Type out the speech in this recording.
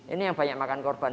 ini yang banyak makan korban